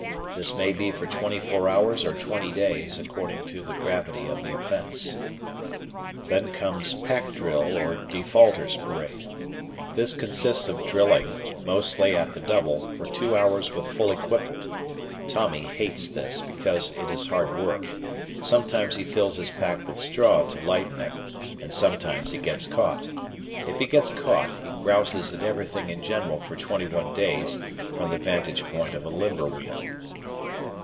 This may be for twenty four hours or twenty days, according to the gravity of the offence. Then comes "Pack Drill" or Defaulters' Parade. This consists of drilling, mostly at the double, for two hours with full equipment. Tommy hates this, because it is hard work. Sometimes he fills his pack with straw to lighten it, and sometimes he gets caught. If he gets caught, he grouses at everything in general for twenty one days, from the vantage point of a limber wheel.